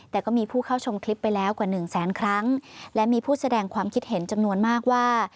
แต่ก็มีผู้เข้าชมคลิปไปแล้วกว่าหนึ่งแสนครั้งและมีผู้แสดงความคิดเห็นจำนวนมากว่า